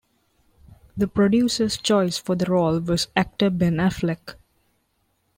The producers' choice for the role was actor Ben Affleck.